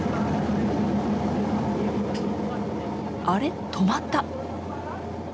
あれ止まった。